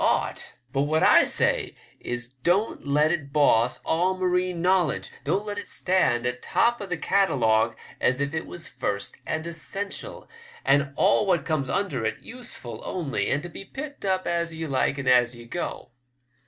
ought; but what I say is don't let it boss all marine knowledge, don't let it stand atop of the catalogue as if it was first and essential, and all what comes under it, useful only, and to be picked up as ye like and as ye go.